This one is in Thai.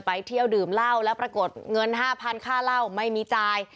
ไปเที่ยวดื่มเหล้าแล้วปรากฏเงิน๕๐๐ค่าเหล้าไม่มีจ่าย